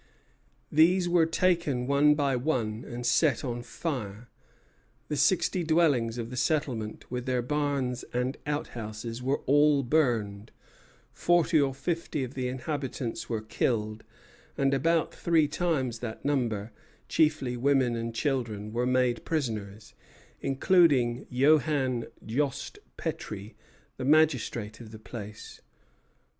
These were taken one by one and set on fire. The sixty dwellings of the settlement, with their barns and outhouses, were all burned, forty or fifty of the inhabitants were killed, and about three times that number, chiefly women and children, were made prisoners, including Johan Jost Petrie, the magistrate of the place.